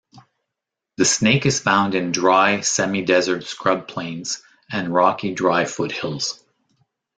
The snake is found in dry, semi-desert scrub plains and rocky dry foothills.